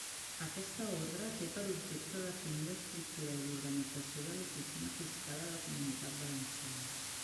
Aquesta ordre té per objecte definir l'estructura i l'organització de l'Oficina Fiscal a la Comunitat Valenciana.